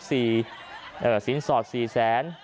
สินสอด๔แสน